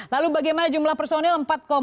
lalu bagaimana jumlah personil